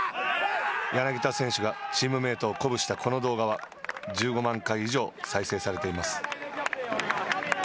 柳田選手がチームメートを鼓舞したこの動画は１５万回以上再生されています。